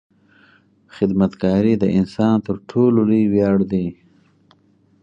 • خدمتګاري د انسان تر ټولو لوی ویاړ دی.